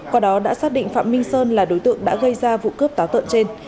qua đó đã xác định phạm minh sơn là đối tượng đã gây ra vụ cướp táo tợn trên